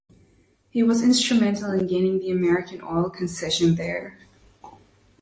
He was instrumental in gaining the American oil concession there.